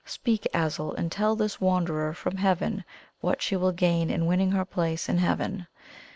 Speak, Azul, and tell this wanderer from Earth what she will gain in winning her place in Heaven."